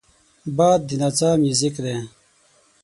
باد د نڅا موزیک دی